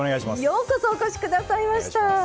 ようこそお越しくださいました。